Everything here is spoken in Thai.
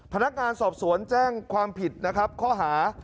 พนักการณ์สอบสวนแจ้งผิดค้อหา